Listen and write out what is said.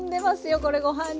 これご飯に。